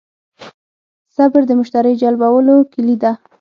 صبر د مشتری جلبولو کیلي ده.